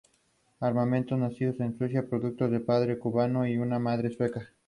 Su padre, oriundo de Nicaragua y posteriormente naturalizado canadiense, es ingeniero civil.